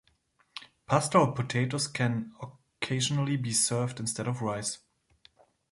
Pasta or potatoes can occasionally be served instead of rice.